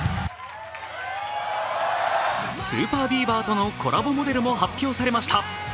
ＳＵＰＥＲＢＥＡＶＥＲとのコラボモデルも発表されました。